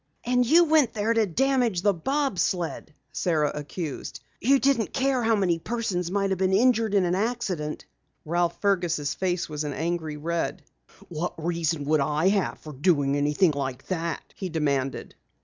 "And you went there to damage the bob sled!" Sara accused. "You didn't care how many persons might be injured in an accident!" Ralph Fergus' face was an angry red. "What reason would I have for doing anything like that?" he demanded.